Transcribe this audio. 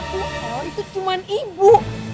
dia manggil aku el itu cuma ibu